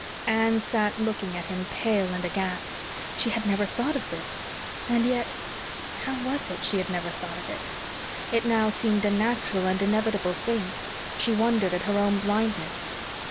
Anne sat looking at him, pale and aghast. She had never thought of this! And yet how was it she had never thought of it? It now seemed a natural and inevitable thing. She wondered at her own blindness.